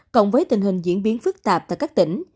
cộng với tình hình diễn biến phức tạp tại các tỉnh